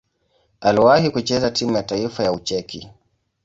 Aliwahi kucheza timu ya taifa ya Ucheki.